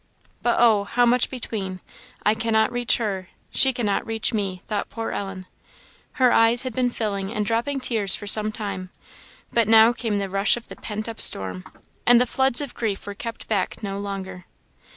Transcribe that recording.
"But, oh! how much between! I cannot reach her she cannot reach me!" thought poor Ellen. Her eyes had been filling and dropping tears for some time, but now came the rush of the pent up storm, and the floods of grief were kept back no longer.